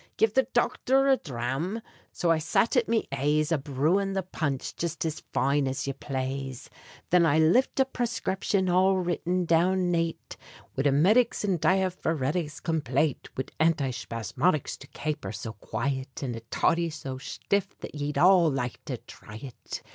Give the dochther a dhram." So I sat at me aise A brewin' the punch jist as fine as ye plaze. Thin I lift a prascription all written down nate Wid ametics and diaphoretics complate; Wid anti shpasmodics to kape her so quiet, And a toddy so shtiff that ye'd all like to thry it.